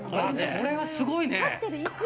これはすごいね！